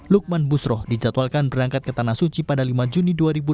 lukman busroh dijadwalkan berangkat ke tanah suci pada lima juni dua ribu dua puluh